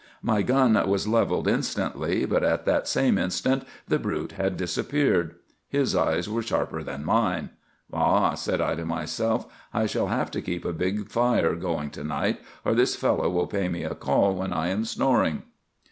My gun was levelled instantly, but at that same instant the brute had disappeared. His eyes were sharper than mine. 'Ah!' said I to myself, 'I shall have to keep a big fire going to night, or this fellow will pay me a call when I am snoring!